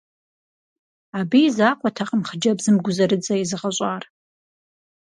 Абы и закъуэтэкъым хъыджэбзым гузэрыдзэ езыгъэщӏар.